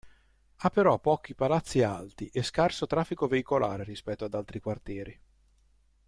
Ha però pochi palazzi alti e scarso traffico veicolare rispetto ad altri quartieri.